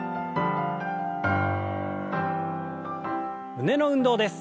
胸の運動です。